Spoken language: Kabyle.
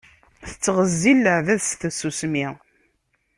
Tettɣezzil leɛbad s tsusmi.